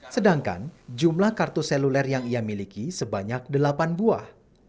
sedangkan jumlah kartu seluler yang ia miliki sebanyak delapan buah